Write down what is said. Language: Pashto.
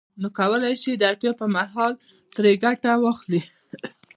نو وکولای شي د اړتیا پر مهال ترې ګټه واخلي